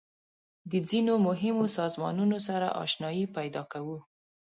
د ځینو مهمو سازمانونو سره آشنایي پیدا کوو.